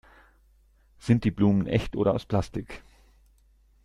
Sind die Blumen echt oder aus Plastik?